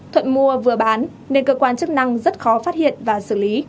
thuận mua vừa bán nên cơ quan chức năng rất khó phát hiện và xử lý